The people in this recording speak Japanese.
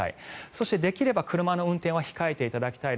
そして、できれば車の運転は控えていただきたい。